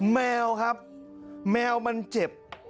แมวครับแมวมันเจ็บ